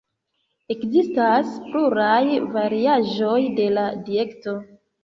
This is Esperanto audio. Ekzistas pluraj variaĵoj de la dieto.